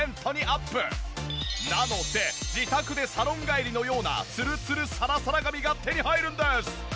なので自宅でサロン帰りのようなツルツルさらさら髪が手に入るんです！